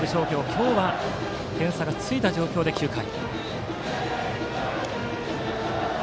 今日は点差がついた状態で９回。